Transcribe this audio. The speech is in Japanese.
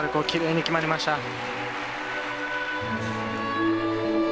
きれいに決まりました。